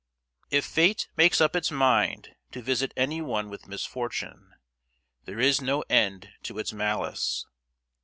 If fate makes up its mind to visit anyone with misfortune, there is no end to its malice!